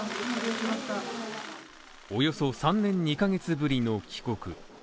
およそ３年２ヶ月ぶりの帰国。